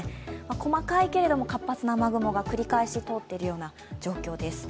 細かいけれども雨雲が繰り返し通っている状況です。